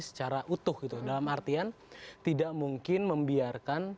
secara utuh gitu dalam artian tidak mungkin membiarkan